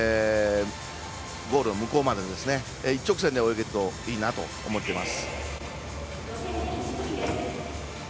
ゴールまで一直線で泳げればいいなと思っています。